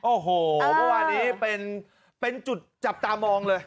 โอ้โหวันนี้เป็นจุดจับตามองเลย